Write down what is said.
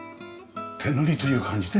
手塗りという感じで。